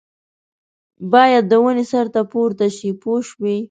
باید د ونې سر ته پورته شي پوه شوې!.